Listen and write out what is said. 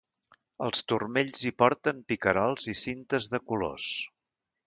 Als turmells hi porten picarols i cintes de colors.